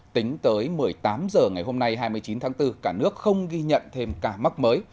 tính tới một mươi tám h ngày hôm nay hai mươi chín tháng bốn cả nước không ghi nhận thêm ca mắc mới